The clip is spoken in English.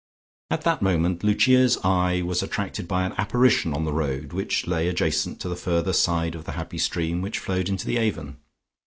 At that moment Lucia's eye was attracted by an apparition on the road which lay adjacent to the further side of the happy stream which flowed into the Avon.